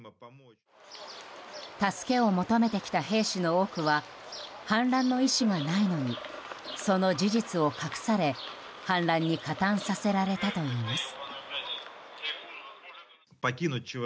助けを求めてきた兵士の多くは反乱の意思がないのにその事実を隠され、反乱に加担させられたといいます。